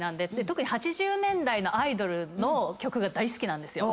特に８０年代のアイドルの曲が大好きなんですよ。